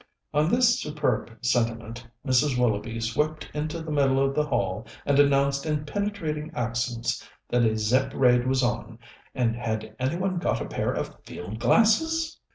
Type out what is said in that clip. On this superb sentiment Mrs. Willoughby swept into the middle of the hall and announced in penetrating accents that a Zepp raid was on, and had any one got a pair of field glasses?